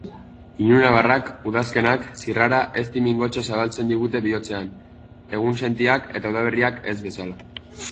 Ilunabarrak, udazkenak, zirrara ezti-mingotsa zabaltzen digute bihotzean, egunsentiak eta udaberriak ez bezala.